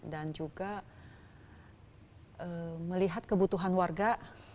dan juga melihat kebutuhan warga